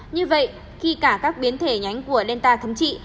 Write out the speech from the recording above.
như vậy khi cả các biến thể nhánh của delta thấm trị